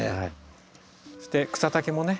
そして草丈もね。